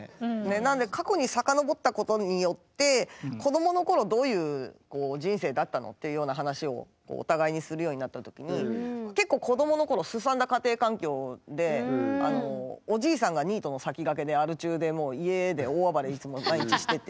なんで過去に遡ったことによって子どものころどういう人生だったのっていうような話をお互いにするようになったときに結構子どものころでアル中でもう家で大暴れいつも毎日してて。